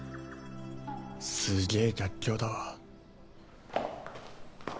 すげえ逆境だわ